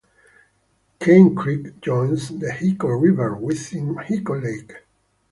Cane Creek joins the Hyco River within Hyco Lake.